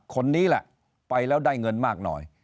คนนี้แหละไปแล้วได้เงินมากหน่อย